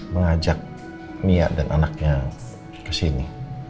mengajak mia dan anaknya kesini